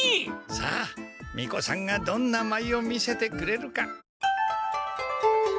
さあみこさんがどんなまいを見せてくれるか。